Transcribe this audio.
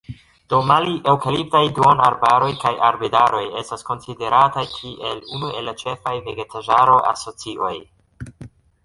Do mali-eŭkaliptaj duonarbaroj kaj arbedaroj estas konsiderataj kiel unu el la ĉefaj vegetaĵaro-asocioj.